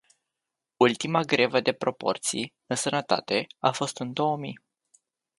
Ultima grevă de proporții, în sănătate, a fost în două mii.